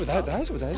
大丈夫？